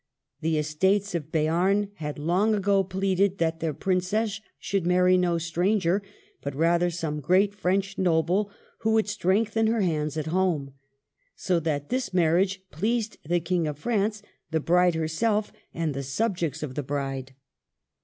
The estates of Beam had long ago pleaded that their princess should marry no stranger, but rather some great French noble who would strengthen her hands at home; so that this marriage pleased the King of France, the bride herself, and the subjects of the bride.